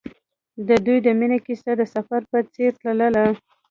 د دوی د مینې کیسه د سفر په څېر تلله.